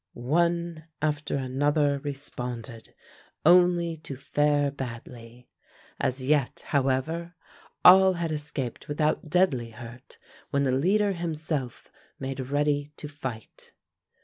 One after another responded, only to fare badly. As yet, however, all had escaped without deadly hurt, when the leader himself made ready to fight.